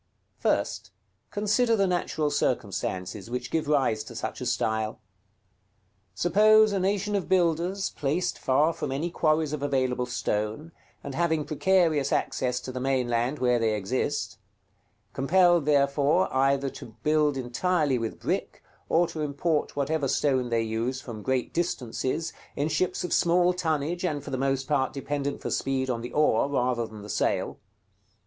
First, consider the natural circumstances which give rise to such a style. Suppose a nation of builders, placed far from any quarries of available stone, and having precarious access to the mainland where they exist; compelled therefore either to build entirely with brick, or to import whatever stone they use from great distances, in ships of small tonnage, and for the most part dependent for speed on the oar rather than the sail.